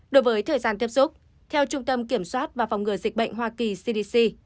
đối với thời gian tiếp xúc theo trung tâm kiểm soát và phòng ngừa dịch bệnh hoa kỳ cdc